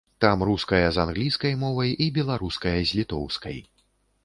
Там руская з англійскай мовай і беларуская з літоўскай.